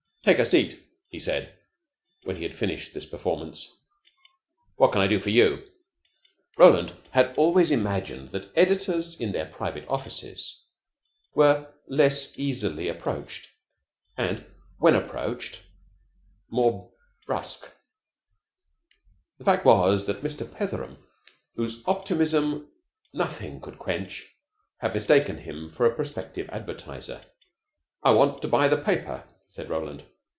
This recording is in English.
"Take a seat," he said, when he had finished this performance. "What can I do for you?" Roland had always imagined that editors in their private offices were less easily approached and, when approached, more brusk. The fact was that Mr. Petheram, whose optimism nothing could quench, had mistaken him for a prospective advertiser. "I want to buy the paper," said Roland.